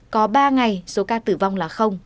có ba ngày số ca tử vong là